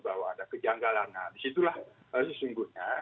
bahwa ada kejanggalan nah disitulah sesungguhnya